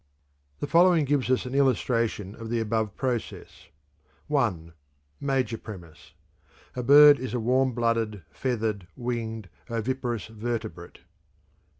"_) The following gives us an illustration of the above process: I. (Major premise) A bird is a warm blooded, feathered, winged, oviparous vertebrate.